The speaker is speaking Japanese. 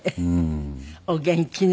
お元気ね。